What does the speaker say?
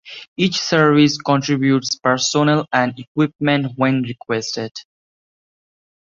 Each service contributes personnel and equipment when requested.